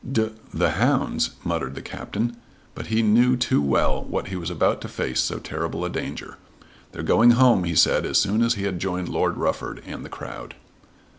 "D the hounds," muttered the Captain; but he knew too well what he was about to face so terrible a danger. "They're going home," he said as soon as he had joined Lord Rufford and the crowd.